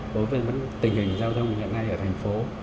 bởi vì tình hình giao thông hiện nay ở thành phố